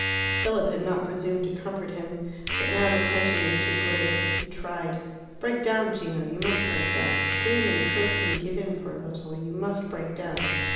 Philip had not presumed to comfort him. But now the tension was too great he tried. "Break down, Gino; you must break down. Scream and curse and give in for a little; you must break down."